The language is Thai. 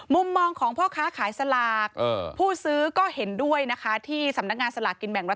มุมมองของพ่อค้าขายสลาก